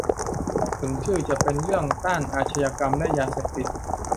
ถึงชื่อจะเป็นเรื่องต้านอาชญากรรมและยาเสพติด